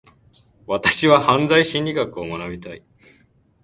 私は犯罪心理学を学びたい。